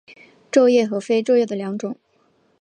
皱叶和非皱叶的两种。